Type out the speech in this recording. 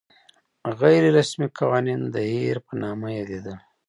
غیر رسمي قوانین د هیر په نامه یادېدل.